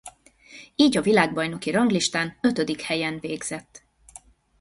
Így a világbajnoki ranglistán ötödik helyen végzett.